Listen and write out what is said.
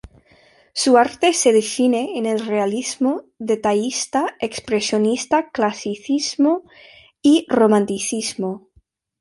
Su arte se define en el realismo detallista, expresionista, clasicismo y romanticismo.